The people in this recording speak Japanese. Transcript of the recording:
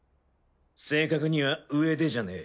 正確には上でじゃねえ。